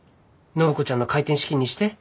暢子ちゃんの開店資金にして。